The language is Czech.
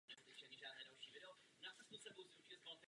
Zobák pak mají prostě černý.